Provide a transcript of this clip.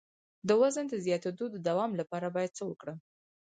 د وزن د زیاتیدو د دوام لپاره باید څه وکړم؟